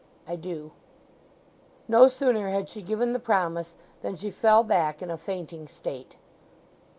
"I do." No sooner had she given the promise than she fell back in a fainting state.